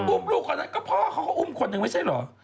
อุ้มลูกคนนั้นก็พ่อเขาก็อุ้มคนหนึ่งไม่ใช่เหรอ